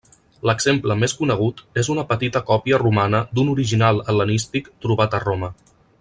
L'exemple més conegut és una petita còpia romana d'un original hel·lenístic trobat a Roma.